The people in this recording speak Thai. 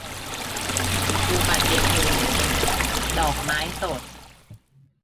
อุบัติเหตุ - ดอกไม้สด